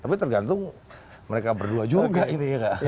tapi tergantung mereka berdua juga ini ya gak